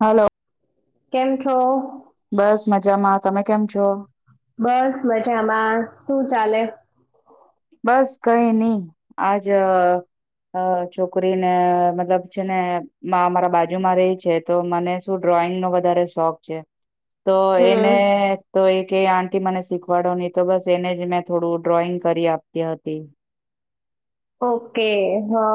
હાલો. કેમ છો. બસ મજામાં તમે કેમ છો. બસ મજામાં શું ચાલે. બસ કઈ નહી આજ. અ છોકરીને મતલબ છે ને મા મારા બાજુમાં રે છે તો મને શું ડ્રો. ડ્રોઈંગ નો વધારે શોખ છે. તો એને હમ તો એક આંટી મને શીખવાડો નહ. તો બસ એને જ મેં થોડું ડ્રોઈંગ કરી આપતી હતી. ઓકે હા.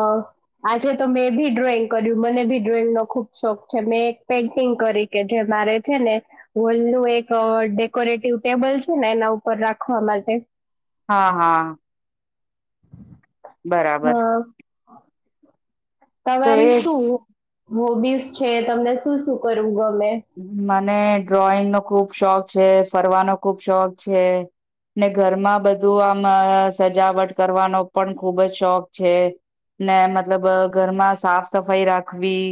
આજે તો મેં ભી ડ્રોઈંગ કર્યું મને ભી ડ્રોઈંગ નો ખુબ શોખ છે મેં એક પેઇન્ટિંગ કરી કે જેમ. મારે છે ને હોલ નું એક ડેકોરેટિવ ટેબલ છે ને એના ઉપર રાખવા માટે. હા હા. હ બરાબર. તો એ તમારી શું હોબીસ છે તમને શું શું કરવું ગમે. મને ડ્રોઈંગ નો ખુબ શોખ છે ફરવાનો ખુબ શોખ છે. ને ઘરમાં બધું આમ સજાવટ કરવાનો પણ ખુબ જ શોખ છે. ને મતલબ ઘરમાં સાફ સફાઈ રાખવી.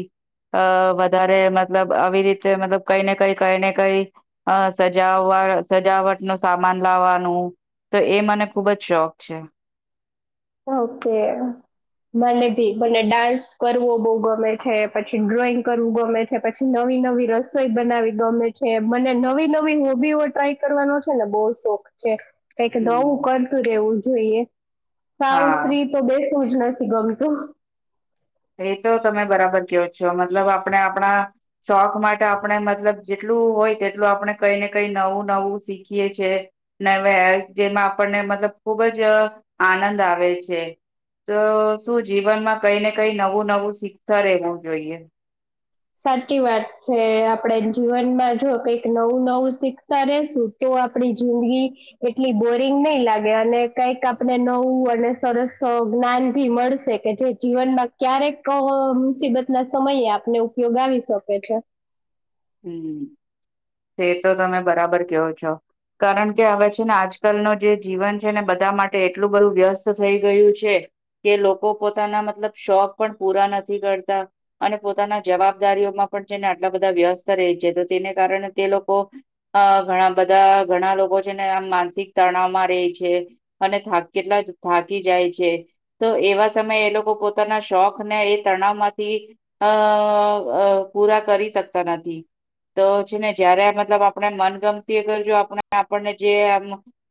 અ વધારે મતલબ આવી રીતે. મતલબ કઈ ને કઈ કઈ ને કઈ સજાવવા સજાવટ નું સામાન લાવવાનું. તો એ મને ખૂબ જ શોખ છે. ઓકે. મને ભી મને ડાન્સ કરવો બહુ ગમે છે પછી ડ્રોઈંગ કરવું ગમે છે પછી નવ. નવી નવી રસોઈ બનાવી ગમે છે મને નવી નવી હોબીઓ ટ્રાય કરવાનો છે ને બહ શોખ. કઈ દવું હમ કરતું રેવું જોઈએ સાવ હા સ્ત્રી તો બે. પૂછના શ ગમ તો. એ તો તમે બરાબર કેવો છો મતલબ આપણે આપણા શોખ માટે આપણે મતલબ જેટલું. હોય તેટલું આપણે કઈ ને કઈ નવું નવું શીખીએ છે જેમાં આપણને. મતલબ ખુબ જ આનંદ આવે છે તો શું જીવનમાં કઈને. કઈ નવું નવું શીખતા રહેવું જોઈએ. સાચી વાત છે આપડે જીવનમાં જો કઈક નવું નવું શીખતા રેસું તો. જિંદગી એટલી બોરિંગ નહી લાગે અને કઈક આપણે નવું અને સરસ. જ્ઞાન ભી મળશે કે જે જીવનમાં ક્યારેક મુસીબત ના સમયે આપને. યોગાવી શકે છે. હમ તે તો તમે બરાબર કેહો છો. કારણ કે હવે છે ને આજકાલ ન જે જીવન છે ને બધા માટે એટલું બધું વ્યસ્ત થઈ ગયું છે. કે લોકો પોતાના મતલબ શોખ પણ પૂરા નથી કરતા અને પોતાના જવાબદારી. માં પણ છેને આટલા બધા વ્યસ્ત. છે તો તેને કારણે તે લોકો અ ઘણા બધા ઘણા લોકો છે ને આમ માનસિક ત ાવમાં ર છે અને કેટલા થાકી જાય છે તો એવા સમયે એ લોકો પોતાના શોખ ને એ તણાવ માંથી અ પૂરા કરી શકતા નથી [inaudible] તો છે ને જયારે મતલબ આપણે મનગમતી કરજ આપ આપણને જે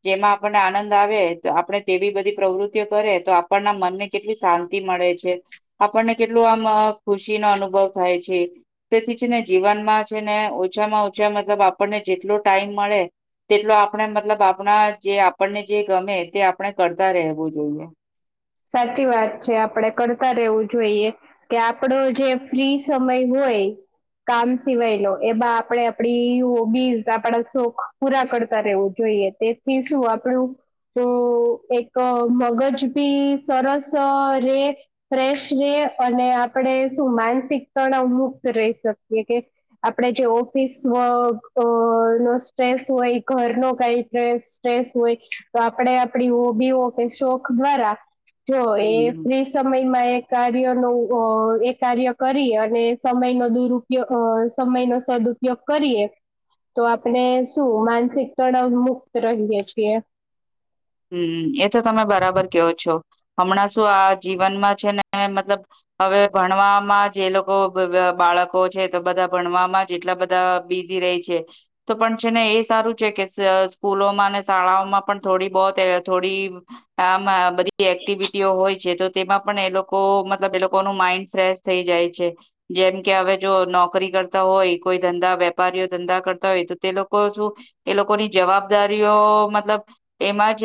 જેમાં આપને આનંદ આવે તો આપણે તેવી બધી પ્રવૃત્તિઓ કરે તો આપણના મનને કેટલી શાંતિ મળે છે આપણને કેટલું આમ ખુશીનોો અનુભવ થાય છે તેથી જ ને જીવનમાં ને ઓછામાં ઓછા મતલબ આપણને જેટલો ટાઈમ મળે તેટલો આપણે મતલબ આપણા જે આપણને જે ગમે તે આપણે કરતા રહેવું જોઈએ સાચી વાત છે આપડે કરતા રહેવું જોઈએ કે આપડો જે ફ્રી સમય હોય હો કામ સિવાયનો એમાં આપડે આપડી હોબીઝ આપડા શોખ પૂરા કરતા રહેવું જોઈએ તેથી શું આપણું એક મગજ ભી સરસ રે ફ્રેશ રે અને આપડ શું માનસિક તણ અ રહી શકીએ કે આપણે જે ઓફિસ વક નો સ્ટ્રેસ હોય ઘર ન કઈ સસ હોય તો આપણેે આપણી હોબીઓ કે શોખ દ્વારા જો એ હમ ફ્રી સમયમાં એક કાર ન એ કાર્ય કરી અને સમય ન દુરપયો સમય ન સ ઉપયોગ કરીએ તો આપણે શું માનસિક તડાવ મુક્ત રહીયએ છીએ હમ એ તો તમે બરાબર કેવો છો હમણાં શું આ જીવનમાં છે ને મતલબ હવે ભણવામાં જે લોકો બાળકો છે તો બધા ભણવામાં એટલા બધા બિઝી રે છે તો પણ છે ને એ સારું છે કે સ્કૂલોમાં અને શાળાઓમાં પણ થોડી બ થોડી આમ બધી એક્ટિવિટીઓ હોય છે તો તેમાં પણ એ લોકો મતલબ એ લોકો ન માઈન્ડ ફ્રેશ થઈ જાય છે જેમ કે હવે જો નોકરી કરતા હોય કોઈ ધંધા વેપારીઓ ધંધા કરતા હોય તો તે લોકો શું એ લોકોની જવાબદારીઓ તો મતલબ એમાં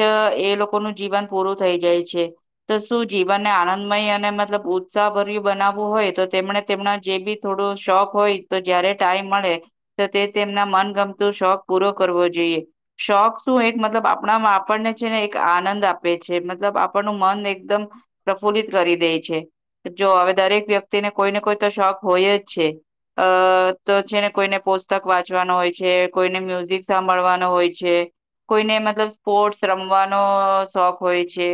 એ લોકો ન જીવન પૂરું થઈ જાય છે તો શું જીવનને આનંદમય અને મતલબ ઉ ગસા ભર્યું બનાવવું હોય તો તેમને તેમના જે બી થોડો શોખ હોય તો જયારે ટાઈમ મળે તો તે તેમના મનગમતો શોખ પૂરો કરવો જોઈએ શોખ શું એક મતલબ આપણા આપણને છે ને એક આનંદ આપે છે મતલબ આપણનું મન એકદમ પ્રફુલ્લિત કરી દે છે જો હવે દરેક વ્યક્તિને કોઈને કોઈ તો શોખ હોય જ છે અ તો છેને કોઈને પુસ્તક વાંચવાનો હોય છે કોઈને મ્યુઝિક સાંભળવાનો હોય છે કોઈને મતલબ સ્પોર્ટસ રમવાનો શોખ હોય છે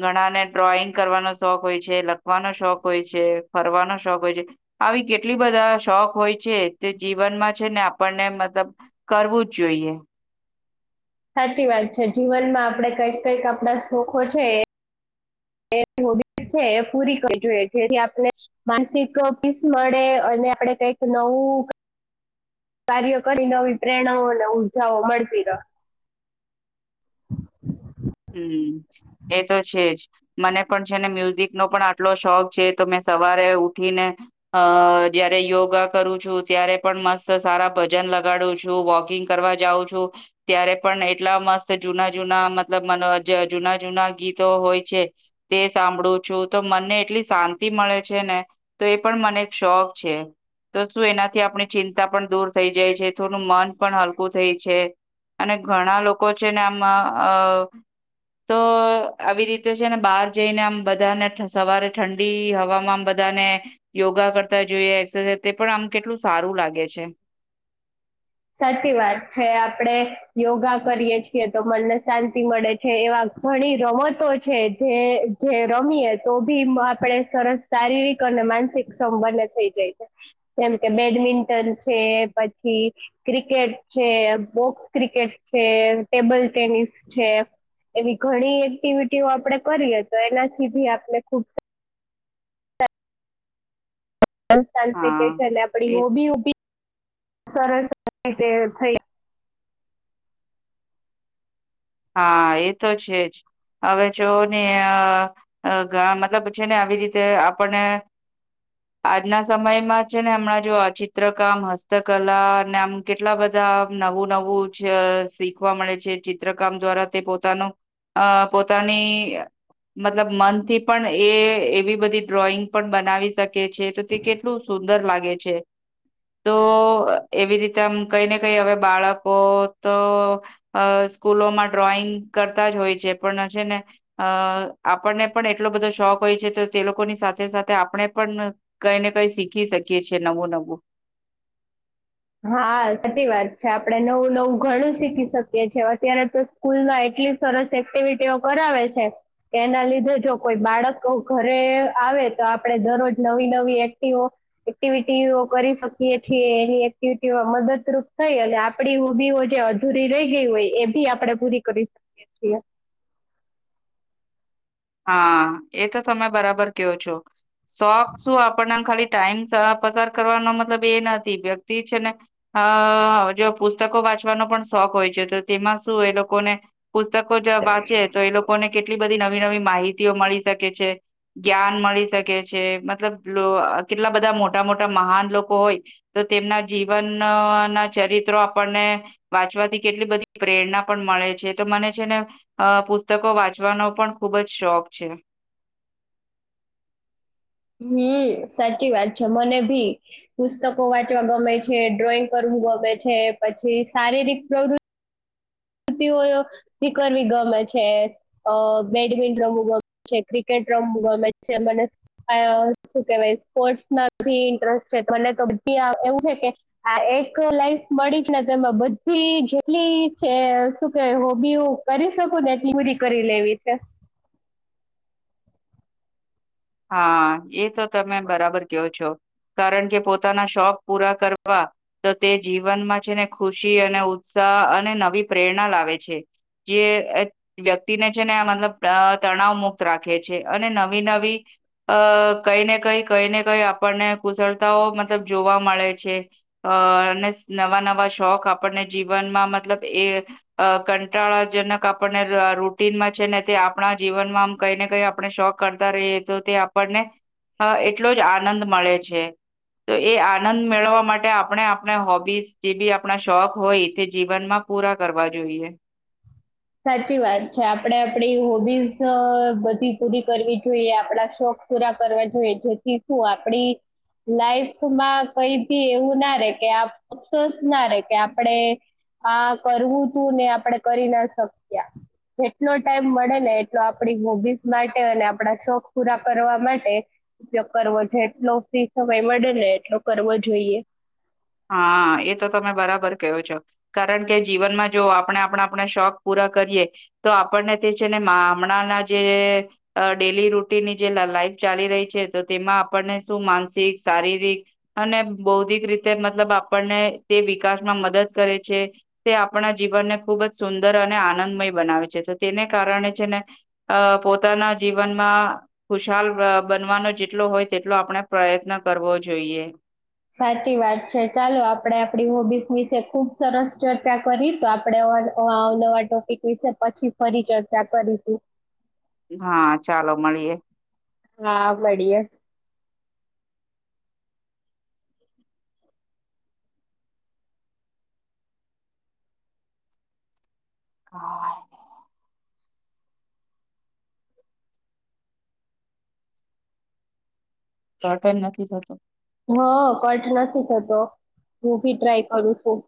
ઘણાને ડ્રોઈંગ કરવાનો શોખ હોય છે વાનો શોખ હોય છે ફરવાનો શોખ હોય છે આવી કેટલી બધા શોખ હોય છે તે જીવનમાં છે ને આપણને મતલબ કરવું જ જોઈએ સાચી વાત છે જીવનમાં આપડણે કઈક કંઈક આપણા સુખો છે [inaudible] એ પૂરી કરી જોઈ જેથી આપણે માનસિક પીસ મળે અને આપણે કઈક નવું ઓ કાર્ય કરી નવી પ્રેરણાઓ અને ઉર્જાઓ મળતી ર હમ એ તો છે જ મને પણ છે ને મ્યુઝિક નો પણ આટલો શોખ છે તો મેં સવારે ઉઠીને અ જયારે યોગા કરું છું ત્યારે પણ મસ્ત સારા વજન લગાડું છું વોકિંગ કરવા જાઉં છું ત્યારે પણ એટલા મસ્ત જૂના જૂના મ જૂના જૂના ગીતો હોય છે તે સાંભળું છું તો મનને એટલી શાંતિ મળે છે ને તો એ પણ મને એક શોખ છે તો શું એના થી આપણી ચિંતા પણ દૂર થઈ જાય છે થોડું મન પણ હલકું થઈ છે અને ઘણા લોકો છે ને આમાં અ તો આવી રીતે છે ને બહાર જઈને આમ બધાને સવારે ઠંડી હવામાં બધા અને યોગા કરતા જોઈએ એક્સરસાઇઝ તે પણ આમ કેટલું સારું લાગે છે. સાચી વાત છે આપડે યોગા કરીએ છીએ તો મનને શાંતિ મળે છે એવા. ઘણી રમતો છે જે જે રમીએે તો ભી આપણેે સરસ શારીરિક. માનસિક સંબન થઈ જાય છે જેમ કે બેડમિન્ટન છે પછી. ક્રિકેટ છે બોક્સ ક્રિકેટ છે ટેબલ ટેનિસ છે. એવી ઘણી એક્ટિવિટીઓ આપડણે કરીએ તો એનાથી ભી આપણે ખુબ. સંથ હા કે છે અને આપડી એ હોબી હોબી. સરસ સરતે થઈ. હા એ તો છે જ. હવે જો ને ઘણા મતલબ છે ને આવી રીતે આપણને. આજના સમયમાં છે ને હમણાં જો ચિત્રકામ હસ્તકલા અને આમ કેટલા બધા. નવું નવું શીખવા મળે છે ચિત્ર. કામ દ્વારા તે પોતાનું અ પોતાની. મતલબ મનથી પણ એ એવી બધી ડ્રોઈંગ પણ બનાવી શકે. છે તો તે કેટલું સુંદર લાગે છે. તો એવી રીતે આ કઈને કઈ હવે બાળકો તો. સ્કૂલોમાં ડ્રોઈંગ કરતા જ હોય છે પણ હ છે ને અ આપણને પણ એટલો બધો શોખ કોય છે તો તે લોકોની સાથે સાથે આપણે પણ કઈ ને કઈ શીખી શકીએ છ છેએ નવું નવું. [inaudible] હા સાચી વાત છે આપડણે નવું નવું ઘણું શીખી શકીએી અત્યારે તો સ્કૂલમાં. કેટલી સરસ એક્ટિવિટીઓ કરાવે છે. એના લીધે જો કોઈ બાળક ઘરે આવે તો આપડે દરરોજ નવી નવી એક્ટો. એક્ટિવિટીઓ કરી શકીએ છીએ એ. મદદરૂપ થઈ અને આપડી ઉઊભીઓ જે અધૂરી રહી ગઈ હોય એ બી આપડે પૂરી કરી. એ જ. [inaudible] હા એ તો તમે બરાબર કવો છો શોખ શું આપણને ખાલી. ટાઈમ પસાર કરવાનો મતલબ એ નથી વ્યક્તિ છે ને જો પુસ્તકો. વાચવાનો પણ શોખ હોય છે તો તેમાં શું એ લોકોને. પુસ્તકો જો વાંચે તો એ લોકોને કેટલી બધી નવી નવી માહિતીઓ મળી શકે છે. જ્ઞાન મળી શકે છે મતલબ કેટલા બધા મોટા મોટા મહાન લોકો હોય તો. તેમના જીવન ના ચરિત્રો આપણને વાંચવાથી કેટલી બધી પ્રેરણા પણ મળે. મળ છે તો મને છે ને પ. પુસ્તકો વાંચવાનો પણ ખૂબ જ શોખ છે. હમ સાચી વાત છે મને ભી પુસ્તકો વાંચવા ગમે છે ડ્રોઈંગ કરવું ગમે. છે પછી શારીરિક પ્રવૃતિ. તીઓ દીકરવી ગમે છે બેડમિન્ટનું ગમે છે ક્રિકેટ. પ ગમેન્ટ મને શ કેવાય સ્પોર્ટમાંી ઇન્ટરેસ્ટ છે મને તો. એવું છે કે આ એક લાઈફ મળી જ ને તોમાં બધી જેટલી. શું કે હોબી હું કરી શકું ને એટલી બધી કરી લેવી છે. હા એ તો તમે બરાબર કયો છો. કારણ કે પોતાના શોખ પૂરા કરવા તો તે જીવનમાં છે ને ખુશી અને ઉત્સાહ. અને નવી પ્રેરણા લાવે છે. જે વ્યક્તિને છે ને મતલબ તણાવ મુક્ત રાખે છે અને નવી નવી. અ કઈ ને કઈ કઈ ને કઈ આપણને કુશળતાઓ મતલબ જોવા મળે છે. અ અને નવા નવા શોખ આપણને જીવનમાં મતલબ એ કંટાળાજનક. આપને રૂટનમાં છે ને તે આપણા જીવનમાં આમ કઈ ને કઈ આપણે શોખ કરતા રહીએ. તો તે આપણને એટલો જ આનંદ મળે છે. તો એ આનંદ મેળવવા માટે આપણે આપણે હોબીસ જે બી આપણા શોખ હોય એ તે જીવનમાં. પૂરા કરવા જોઈએ. સાચી વાત છે આપડે આપડી હોબીઝ અ બધી પૂરી કરવી જોઈએ આપડા શોખ પૂરા કરવા જોઈએ જેથી શું આપડી લાઈફમાં કઈ ભી એવું ના રે કે ક્ષોસ ના રે કે આપડે હા કરવું તું ને આપડે કરી ના શક્યા જેટલો ટાઈમ મળે ને એટલો આપડી હોબીઝ માટે અને આપડા શોખ પૂરા કરવા માટે ઉપયોગ કરવો જો એટલો ફ્રી સમય મળે ને એટલો કરવો જોઈએ હા એ તો તમે બરાબર કયો છો કારણ કે જીવનમાં જો આપણે આપણા આપણા શોખ પૂરા કરિએ તો આપ છેને હમણાં જે ડે રૂટીનની જે ચાલી રહી છે તો તેમાં આપને શું માનસિક શારીરિક અને બૌદ્ધિક રીતે તે મતલબ આપણને તે વિકાસમાં મદદ કરે છે તે આપણા જીવનને ખુબ જ સુંદર અને આનંદમય બનાવે છે તો તેને કારણે છે ને અ પોતાના જીવનમાં ખુશાલ બનવાનો જેટલો હોય તેટલો આપણે પ્રયત્ન કરવો જોઈએ સાચી વાત છે ચાલો આપડે આપડી હોબિજ વિશે ખુબ સરસ ચર્ચા કરી તો આપડે નવા ટોપિક વિશે પછી ફરી ચર્ચા કરીશું હા ચાલો મળીએે હા બડીએ [inaudible] [inaudible] ટોટલ નથી થતો હા કટ નથી થતો હું ભી ટ્રાય કરું છું